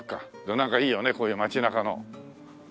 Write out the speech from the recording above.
なんかいいよねこういう街中の。